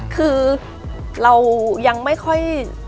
คือเรายังไม่ค่อย